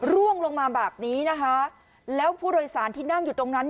ร่วงลงมาแบบนี้นะคะแล้วผู้โดยสารที่นั่งอยู่ตรงนั้น